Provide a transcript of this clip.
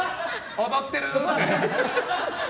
踊ってる。